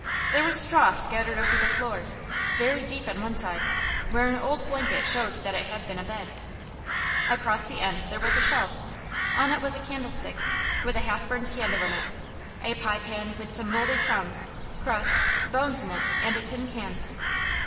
There was straw scattered over the floor, very deep on one side, where an old blanket showed that it had been a bed. Across the end there was a shelf. On it was a candlestick, with a half burned candle in it, a pie pan with some mouldy crumbs, crusts, bones in it, and a tin can.